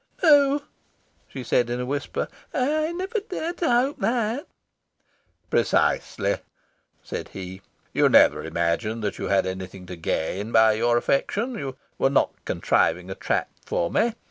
"No," she said in a whisper; "I never dared to hope that." "Precisely," said he. "You never imagined that you had anything to gain by your affection. You were not contriving a trap for me.